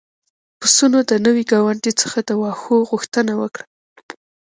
پسونو د نوي ګاونډي څخه د واښو غوښتنه وکړه.